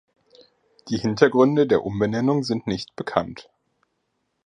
Die Hintergründe der Umbenennung sind nicht bekannt.